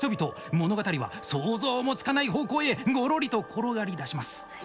物語は想像もつかない方向へごろりと転がりだします。